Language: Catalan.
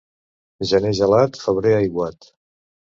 Gener gelat, febrer aiguat.